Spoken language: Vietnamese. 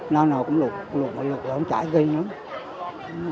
nào nào cũng lúc lúc mà lúc là không trải ghi nữa